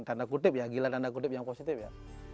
tanda kutip ya gila tanda kutip yang positif ya